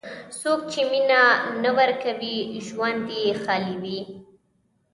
څوک چې مینه نه ورکوي، ژوند یې خالي وي.